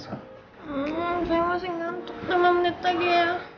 saya masih ngantuk lima menit lagi ya